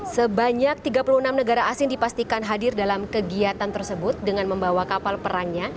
sebanyak tiga puluh enam negara asing dipastikan hadir dalam kegiatan tersebut dengan membawa kapal perangnya